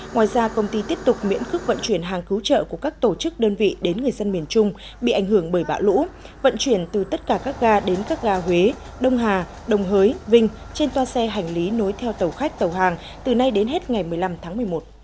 ngoài ra công ty tiếp tục miễn khức vận chuyển hàng cứu trợ của các tổ chức đơn vị đến người dân miền trung bị ảnh hưởng bởi bão lũ vận chuyển từ tất cả các ga đến các ga huế đông hà đồng hới vinh trên toa xe hành lý nối theo tàu khách tàu hàng từ nay đến hết ngày một mươi năm tháng một mươi một